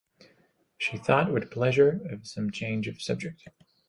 She thought with pleasure of some change of subject.